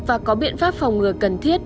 và có biện pháp phòng ngừa cần thiết